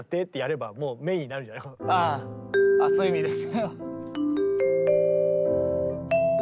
あそういう意味です。